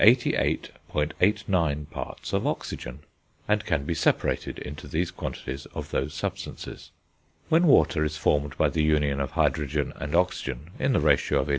89 parts of oxygen, and can be separated into these quantities of those substances. When water is formed by the union of hydrogen and oxygen, in the ratio of 11.